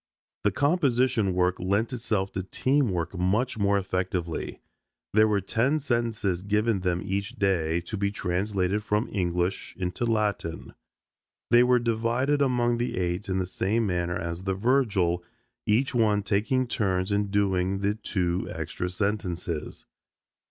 The composition work lent itself to team work much more effectively. There were ten sentences given them each day to be translated from English into Latin. They were divided among the eight in the same manner as the Virgil, each one taking turns in doing the two extra sentences.